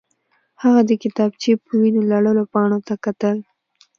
هغه د کتابچې په وینو لړلو پاڼو ته کتل